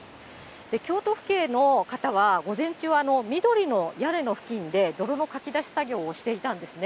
京都府警の方は、午前中は緑の屋根の付近で、泥のかき出し作業をしていたんですね。